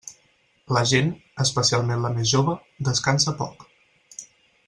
La gent, especialment la més jove, descansa poc.